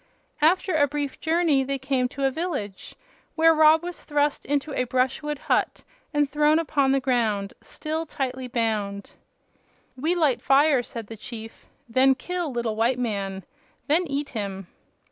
After a brief journey they came to a village, where Rob was thrust into a brushwood hut and thrown upon the ground, still tightly bound. "We light fire," said the chief. "Then kill little white man. Then eat him."